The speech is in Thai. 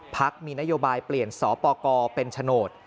พักมีนโยบายเปลี่ยนสปกรเป็นโฉนด